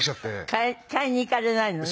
買いに行かれないのね？